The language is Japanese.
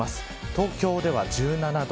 東京では１７度。